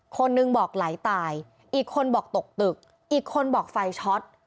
คนหนึ่งบอกไหลตายอีกคนบอกตกตึกอีกคนบอกไฟช็อต